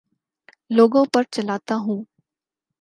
لوگوں پر چلاتا ہوں